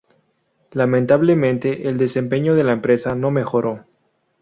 Lamentablemente, el desempeño de la empresa no mejoró.